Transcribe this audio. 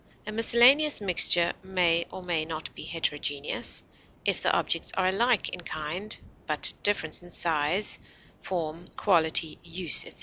A miscellaneous mixture may or may not be heterogeneous; if the objects are alike in kind, but different in size, form, quality, use, etc.